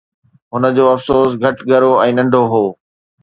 هن جو افسوس گهٽ ڳرو ۽ ننڍو هو